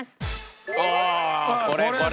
ああこれこれ。